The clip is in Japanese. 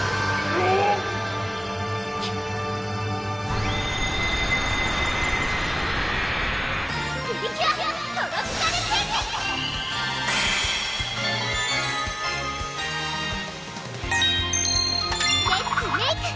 レッツメイク！